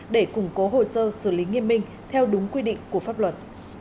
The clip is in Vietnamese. để củng cố hồ sơ xử lý nghiêm minh theo đúng quy định của pháp luật